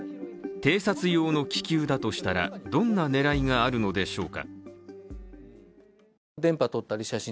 偵察用の気球だとしたらどんな狙いがあるのでしょうか。